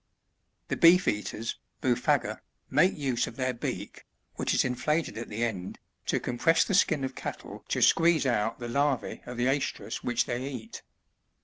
69. The Becf eaterst — Buphaga, — make use of their beak, which is inflated at the end, to compress the skin of cattle to squeeze out the larvae of the oestrus which they eat.